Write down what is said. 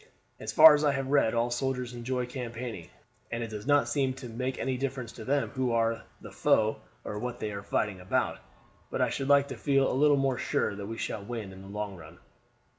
As far as I have read all soldiers enjoy campaigning, and it does not seem to make any difference to them who are the foe or what they are fighting about. But I should like to feel a little more sure that we shall win in the long run."